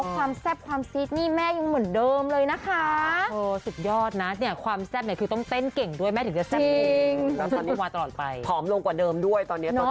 ก็เพราะออกพอร์กกำลังกาย